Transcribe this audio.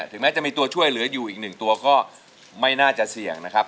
แม้จะมีตัวช่วยเหลืออยู่อีกหนึ่งตัวก็ไม่น่าจะเสี่ยงนะครับ